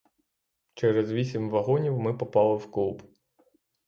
Через вісім вагонів ми попали в клуб.